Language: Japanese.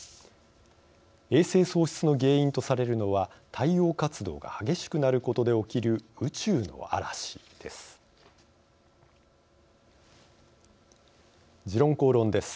衛星喪失の原因とされるのは太陽活動が激しくなることで起きる「宇宙の嵐」です。